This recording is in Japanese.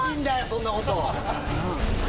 そんなこと！